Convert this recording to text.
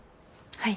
はい。